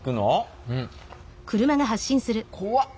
怖っ。